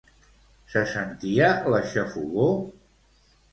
Se sentia la xafogor?